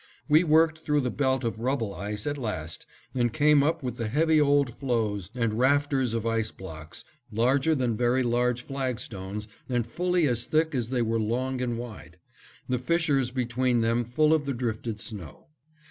We worked through the belt of rubble ice at last, and came up with the heavy old floes and rafters of ice blocks, larger than very large flag stones and fully as thick as they were long and wide; the fissures between them full of the drifted snow.